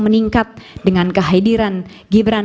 adalah pasangan yang paling terbaik